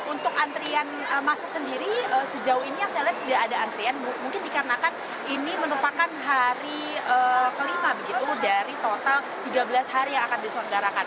untuk antrian masuk sendiri sejauh ini yang saya lihat tidak ada antrian mungkin dikarenakan ini merupakan hari kelima begitu dari total tiga belas hari yang akan diselenggarakan